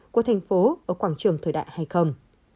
của thành phố ở quảng trường thời đại hay không